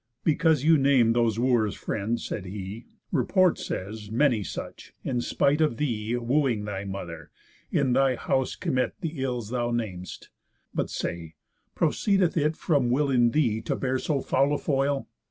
"Because you name those Wooers, friend," said he, "Report says, many such, in spite of thee, Wooing thy mother, in thy house commit The ills thou nam'st. But say: Proceedeth it From will in thee to bear so foul a foil?